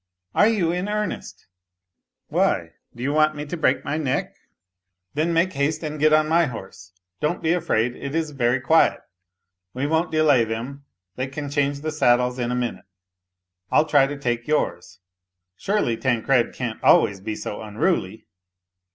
" Are you in earnest ?"" Why, do you want me to break my neck ?"" Then make haste and get on my horse ; don't|be afraid, it is very quiet. We won't delay them, they can change the saddles in a minute ! I'll try to take yours. Surely Tancred can't always be so unruly."